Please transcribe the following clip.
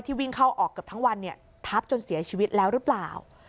วิ่งเข้าออกเกือบทั้งวันเนี่ยทับจนเสียชีวิตแล้วหรือเปล่า